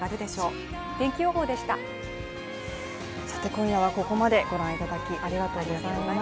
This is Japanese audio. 今夜はここまでご覧いただきありがとうございました。